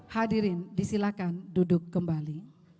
hadirin disilakan duduk kembali